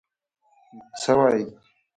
څه وایې؟